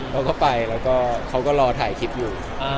เขาก็ไปแล้วก็เขาก็รอถ่ายคลิปอยู่